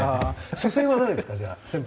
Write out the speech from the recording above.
初戦は誰ですか先発。